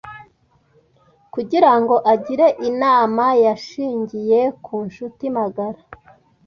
Kugira ngo agire inama, yashingiye ku nshuti magara.